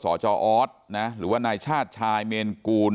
จออสนะหรือว่านายชาติชายเมนกูล